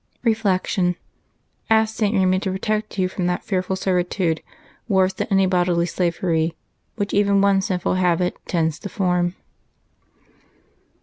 Reflection. — Ask St. Eaymund to protect you from that fearful servitude, worse than any bodily slavery, which even one sinful habit tends to form.